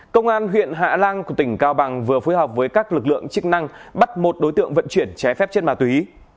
công an huyện hạ lang của tỉnh cao bằng vừa phối hợp với các lực lượng chức năng bắt một đối tượng vận chuyển trái phép trên bà tùy